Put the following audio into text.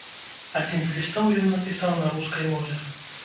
Адзін з лістоў ён напісаў на рускай мове.